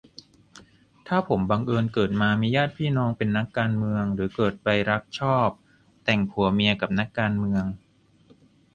ถ้าผมบังเอิญเกิดมามีญาติพี่น้องเป็นนักการเมือง หรือเกิดไปรักชอบแต่งผัวเมียกับนักการเมือง